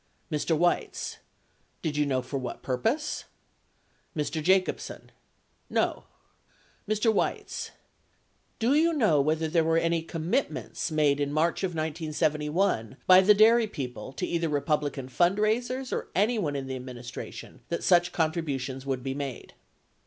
Mr. Weitz. Do you know for what purpose ? Mr. Jacobsen. No. Mr. Weitz. Do you know whether there were any commit ments made in March of 1971 by the dairy people to either Republican fundraisers or anyone in the administration that such contributions would be made